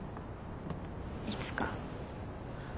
いつか。